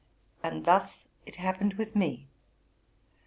And thus it happened with me.